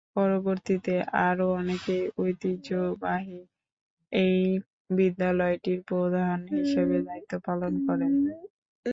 পরবর্তীতে আরও অনেকেই ঐতিহ্যবাহী এই বিদ্যালয়টির প্রধান হিসেবে দায়িত্ব পালন করেন।